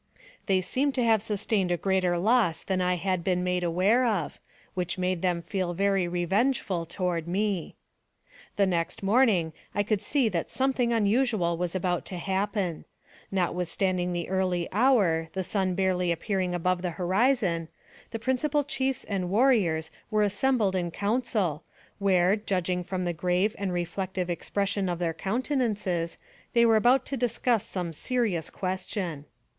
They seemed to have sustained a greater loss than I had been made aware of, which made them feel very revengeful toward me. The next morning I could see that something un usual was about to happen. Notwithstanding the early hour, the sun scarcely appearing above the horizon, the principal chiefs and warriors were assembled in council, where, judging from the grave and reflective expression of their countenances, they were about to discuss some serious question.